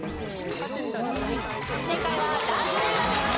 正解はライオンラビット。